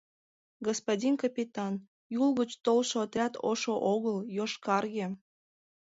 Господин капитан, Юл гыч толшо отряд ошо огыл, йошкарге!